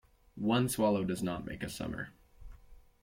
One swallow does not make a summer.